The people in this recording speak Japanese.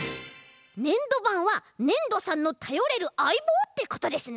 ねんどばんはねんどさんのたよれるあいぼうってことですね！